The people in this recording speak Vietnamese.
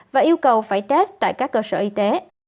và yêu cầu phải test tại các cơ sở y tế